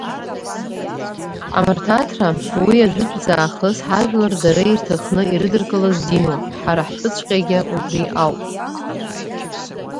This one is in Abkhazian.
Амырҭаҭра, уи ажәытәӡа аахыс ҳажәлар дара ирҭахны ирыдыркылаз динуп, ҳара ҳтәыҵәҟьагьы убри ауп…